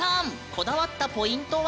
こだわったポイントは？